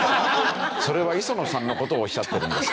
それは磯野さんの事をおっしゃってるんですか？